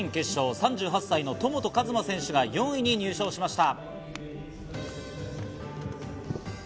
３８歳の戸本一真選手が４位に入賞しました。